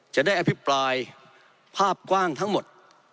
จะได้อภิปรายภาพกว้างทั้งหมด